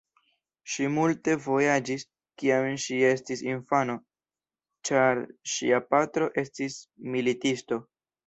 Ŝi multe vojaĝis kiam ŝi estis infano, ĉar ŝia patro estis militisto.